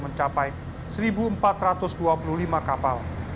mencapai satu empat ratus dua puluh lima kapal